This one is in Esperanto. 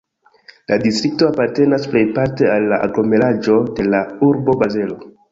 La distrikto apartenas plejparte al la aglomeraĵo de la urbo Bazelo.